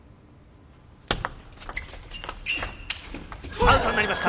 アウトになりました。